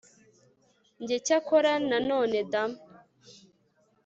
njye cyakora nanone da